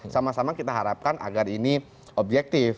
sama sama kita harapkan agar ini objektif